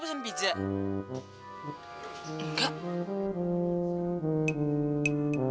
bisa bawa pesel ke kota